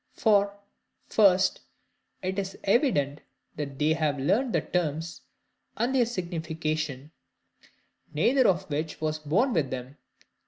For, first, it is evident that they have learned the terms, and their signification; neither of which was born with them.